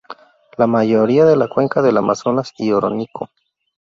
La mayoría de la Cuenca del Amazonas y Orinoco.